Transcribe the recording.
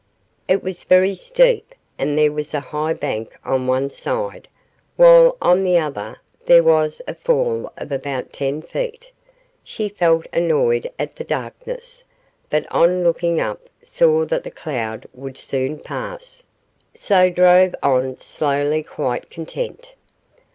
It was very steep, and there was a high bank on one side, while on the other there was a fall of about ten feet. She felt annoyed at the darkness, but on looking up saw that the cloud would soon pass, so drove on slowly quite content.